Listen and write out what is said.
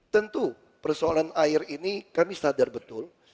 tentu persoalan air ini kami sadar betul